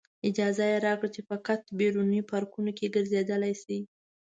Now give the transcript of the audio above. اجازه یې راکړه چې فقط بیرونیو پارکونو کې ګرځېدلی شئ.